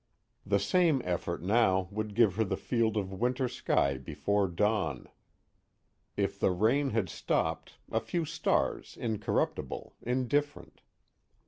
The same effort now would give her the field of winter sky before dawn. If the rain had stopped, a few stars incorruptible, indifferent.